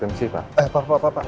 iya pak ada yang bisa saya bantu